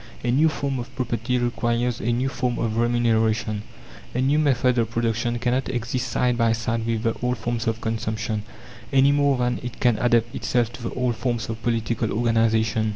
A new form of property requires a new form of remuneration. A new method of production cannot exist side by side with the old forms of consumption, any more than it can adapt itself to the old forms of political organization.